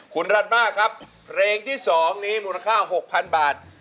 คุณรันมากครับเพลงที่๒นี้มูลค่า๖๐๐๐บาท